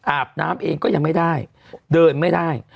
อาบน้ำเองก็ยังไม่ได้เดินไม่ได้